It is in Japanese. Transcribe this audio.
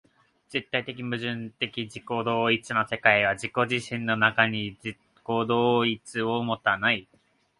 絶対矛盾的自己同一の世界は自己自身の中に自己同一を有たない。